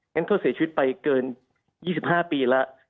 งั้นเขาเสียชีวิตไปเกิน๒๕ปีแล้ว